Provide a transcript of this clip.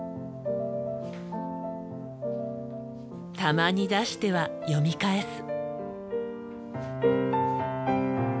たまに出しては読み返す。